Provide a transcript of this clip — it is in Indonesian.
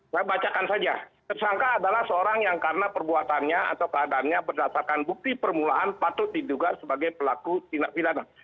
saya bacakan saja tersangka adalah seorang yang karena perbuatannya atau keadaannya berdasarkan bukti permulaan patut diduga sebagai pelaku tindak pidana